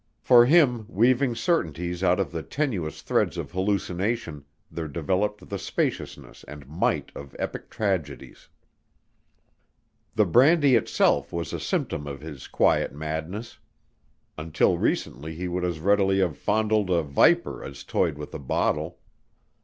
For him, weaving certainties out of the tenuous threads of hallucination, there developed the spaciousness and might of epic tragedies. The brandy itself was a symptom of his quiet madness. Until recently he would as readily have fondled a viper as toyed with a bottle.